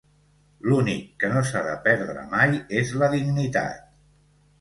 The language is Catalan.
L'únic que no s'ha de perdre mai és la dignitat.